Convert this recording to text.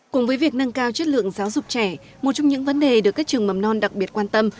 cùng với việc nâng cao chất lượng giáo dục trẻ một trong những vấn đề được các trường mầm non đặc biệt quan tâm